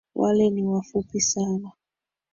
Wale ni wafupi sana.